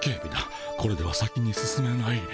これでは先に進めない。